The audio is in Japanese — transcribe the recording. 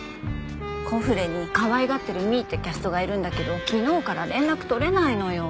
コフレにかわいがってる美依ってキャストがいるんだけど昨日から連絡取れないのよ。